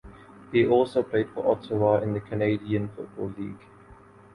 He also played for Ottawa in the Canadian Football League.